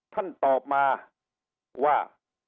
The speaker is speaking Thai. ท่านตอบมาว่า